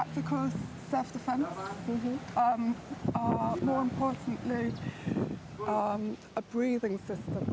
dan juga olimpiade